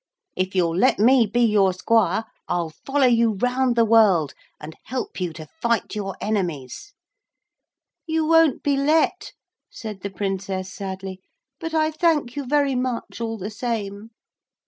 If you'll let me be your squire, I'll follow you round the world and help you to fight your enemies.' 'You won't be let,' said the Princess sadly, 'but I thank you very much all the same.'